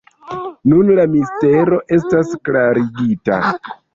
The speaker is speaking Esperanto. Nun la mistero estas klarigita.